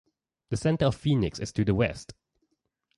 The center of Phoenix is to the west.